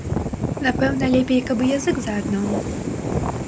Напэўна лепей каб і язык заадно.